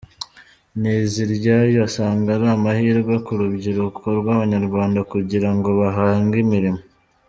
Nteziryayo asanga ari amahirwe ku rubyiruko rw’Abanyarwanda kugira ngo bahange imirimo.